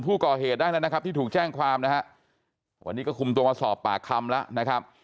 ผู้ก่อเหตุได้แล้วนะครับที่ถูกแจ้งความนะฮะวันนี้ก็คุมตัวมาสอบปากคำแล้วนะครับ